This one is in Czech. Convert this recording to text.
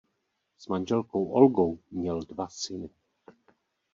S manželkou Olgou měl dva syny.